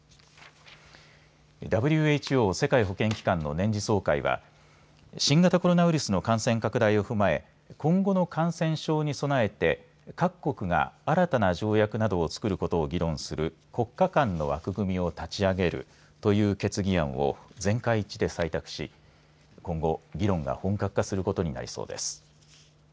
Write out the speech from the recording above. ＷＨＯ世界保健機関の年次総会は新型コロナウイルスの感染拡大を踏まえ今後の感染症に備えて各国が新たな条約などをつくることを議論する国家間の枠組みを立ち上げるという決議案を全会一致で採択し今後、議論が本格化することになりそうです。